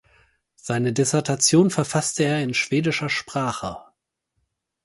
Seine Dissertation verfasste er in schwedischer Sprache.